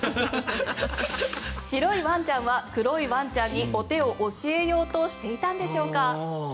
白いワンちゃんは黒いワンちゃんにお手を教えようとしていたのでしょうか。